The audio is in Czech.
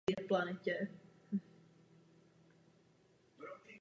To by bylo přece absurdní.